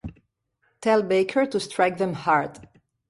"Tell Baker to strike them hard".